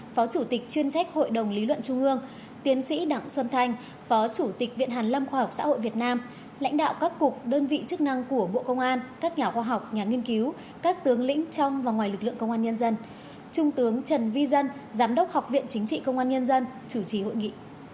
phó chủ tịch viện hàn lâm khoa học xã hội việt nam lãnh đạo các cục đơn vị chức năng của bộ công an các nhà khoa học nhà nghiên cứu các tướng lĩnh trong và ngoài lực lượng công an nhân dân trung tướng trần vi dân giám đốc học viện chính trị công an nhân dân chủ trí hội nghị